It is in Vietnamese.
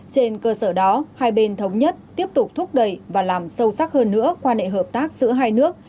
trên cơ sở đó hai bên thống nhất tiếp tục thúc đẩy và làm sâu sắc hơn nữa quan hệ hợp tác giữa hai nước